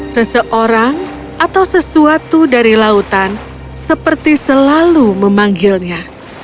seseorang atau sesuatu dari lautan seperti selalu memanggilnya